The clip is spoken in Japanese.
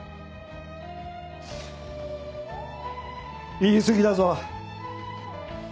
言い過ぎだぞ！